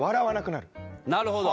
なるほど。